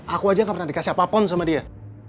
aku aja gak pernah dikasih apapun sama dia